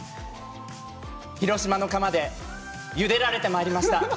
広島の釜でゆでられてまいりました。